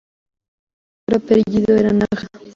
Su verdadero apellido era "Naja".